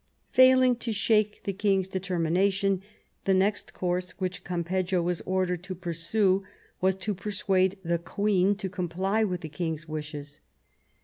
Failing to shake the king's determination, the next course which Campeggio was ordered to pursue was to persuade the queen to comply with the king's wishes.